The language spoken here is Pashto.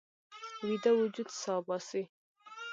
ویده وجود سا باسي